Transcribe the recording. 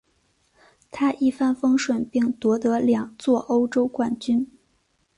他一帆风顺并夺得两座欧洲冠军。